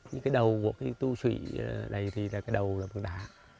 những cái đầu của cái tu sụy này thì là cái đầu là của đá